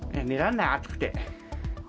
寝らんない、暑くて。